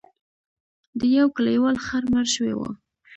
د یو کلیوال خر مړ شوی و.